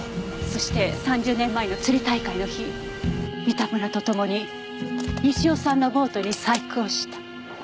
そして３０年前の釣り大会の日三田村とともに西尾さんのボートに細工をした。